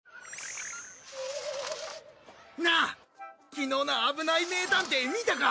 昨日の『あぶない名探偵』見たか！？